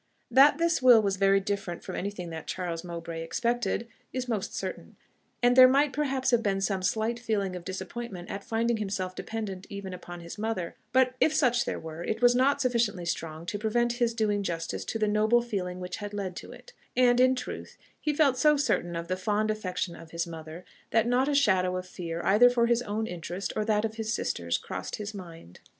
That this will was very different from anything that Charles Mowbray expected, is most certain, and there might perhaps have been some slight feeling of disappointment at finding himself dependent even upon his mother; but if such there were, it was not sufficiently strong to prevent his doing justice to the noble feeling which had led to it; and, in truth he felt so certain of the fond affection of his mother, that not a shadow of fear either for his own interest or that of his sisters crossed his mind.